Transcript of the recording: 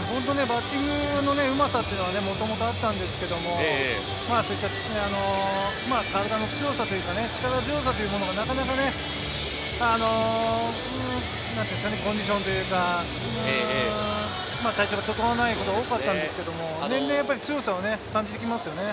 バッティングのうまさっていうのはもともとあったんですけれど、体の強さというか、力強さというものが、なかなかコンディションというか、体調が整わないことが多かったんですけれど、年々強さを感じてきますよね。